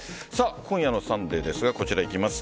今夜の「サンデー」ですがこちらです。